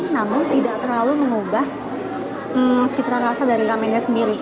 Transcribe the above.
namun tidak terlalu mengubah cita rasa dari ramennya sendiri